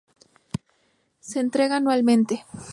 Se entrega anualmente.